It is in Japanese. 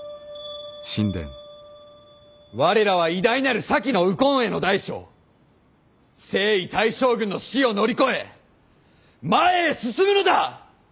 我らは偉大なる先の右近衛大将征夷大将軍の死を乗り越え前へ進むのだ！